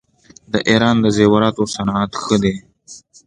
د ایران د زیوراتو صنعت ښه دی.